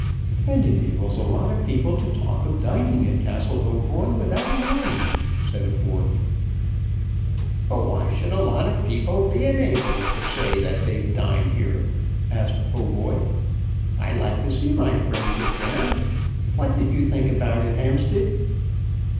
"And enables a lot of people to talk of dining at Castle Hautboy without lying," said a fourth. "But why should a lot of people be enabled to say that they'd dined here?" asked Hautboy. "I like to see my friends at dinner. What did you think about it, Hampstead?"